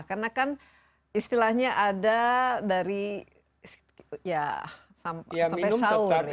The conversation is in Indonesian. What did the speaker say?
karena kan istilahnya ada dari ya sampai sahur